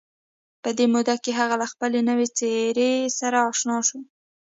په دې موده کې هغه له خپلې نوې څېرې سره اشنا شو